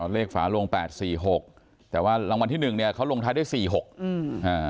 ฝาลงแปดสี่หกแต่ว่ารางวัลที่หนึ่งเนี้ยเขาลงท้ายได้สี่หกอืมอ่า